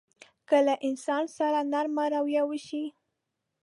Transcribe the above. که له انسان سره نرمه رويه وشي.